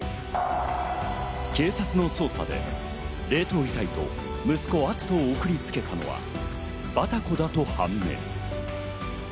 警察の捜査で冷凍遺体と息子・篤斗を送りつけたのはバタコだと判明。